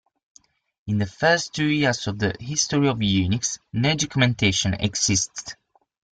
In the first two years of the history of Unix, no documentation existed.